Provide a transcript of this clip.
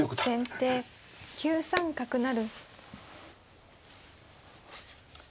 先手９三角成。